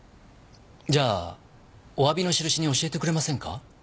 じゃあお詫びのしるしに教えてくれませんか？